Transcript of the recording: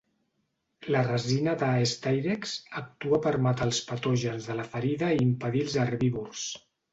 La resina de "Styrax" actua per matar els patògens de la ferida i impedir els herbívors.